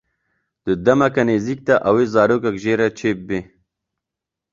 Di demeke nêzik de ew ê zarokek jê re çêbibe.